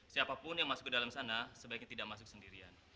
siapapun yang masuk ke dalam sana sebaiknya tidak masuk sendirian